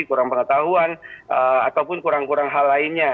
kurang pengetahuan ataupun kurang kurang hal lainnya